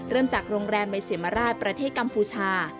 จากโรงแรมใบสิมราชประเทศกัมพูชา